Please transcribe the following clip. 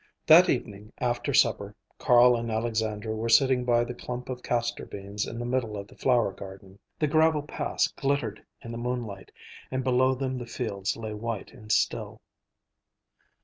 That evening after supper, Carl and Alexandra were sitting by the clump of castor beans in the middle of the flower garden. The gravel paths glittered in the moonlight, and below them the fields lay white and still.